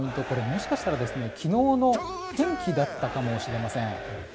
これ、もしかしたら昨日の天気だったかもしれません。